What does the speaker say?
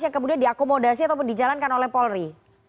yang kemudian diakomodasi ataupun dijalankan oleh polri